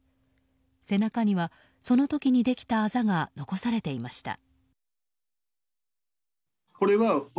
背中にはその時にできたあざが残されていました。